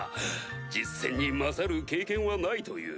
実戦に勝る経験はないという。